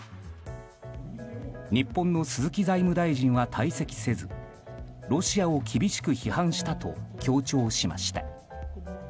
日本の鈴木財務大臣は退席せずロシアを厳しく批判したと強調しました。